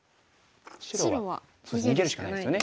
白は逃げるしかないですよね。